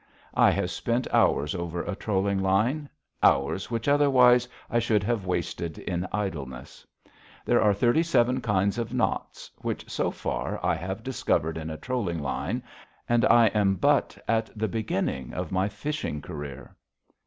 I have spent hours over a trolling line, hours which, otherwise, I should have wasted in idleness. There are thirty seven kinds of knots which, so far, I have discovered in a trolling line, and I am but at the beginning of my fishing career.